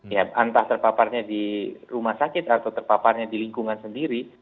ya entah terpaparnya di rumah sakit atau terpaparnya di lingkungan sendiri